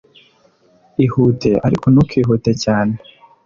Ihute, ariko ntukihute cyane"